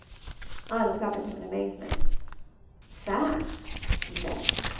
I looked at him in amazement. "Fact I" he said.